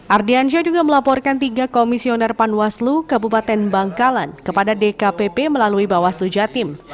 ardian syah juga melaporkan tiga komisioner panwaslu ke bupaten bangkalan kepada dkpp melalui bawaslu jatim